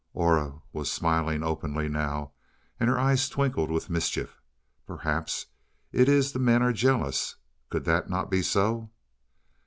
Aura was smiling openly now, and her eyes twinkled with mischief. "Perhaps it is the men are jealous. Could that not be so?"